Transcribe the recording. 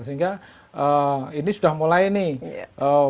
sehingga ini sudah mulai nih